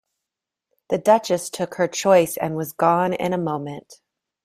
The Duchess took her choice, and was gone in a moment.